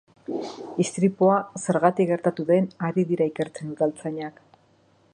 Istripua zergatik gertatu den ari dira ikertzen udaltzainak.